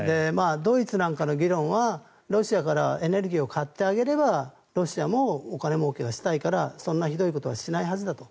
ドイツなんかの議論はロシアからエネルギーを買ってあげればロシアもお金もうけがしたいからそんなひどいことはしないはずだと。